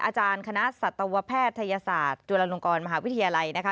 อาจารย์คณะสัตวแพทยศาสตร์จุฬลงกรมหาวิทยาลัยนะคะ